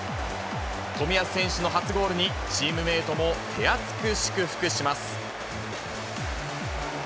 冨安選手の初ゴールに、チームメートも手厚く祝福します。